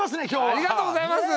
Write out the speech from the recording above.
ありがとうございます。